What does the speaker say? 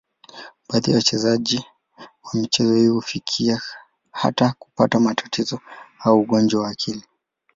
Baadhi ya wachezaji wa michezo hii hufikia hata kupata matatizo au ugonjwa wa akili.